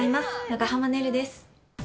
長濱ねるです。